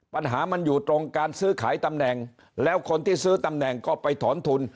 ปัญหามันอยู่ตรงการซื้อขายตำแหน่งแล้วคนที่ซื้อตำแหน่งก็ไปถอนทุน